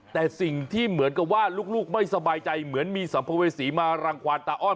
แต่สิ่งที่เหมือนกับว่าลูกไม่สบายใจเหมือนมีสัมภเวษีมารังความตาอ้อน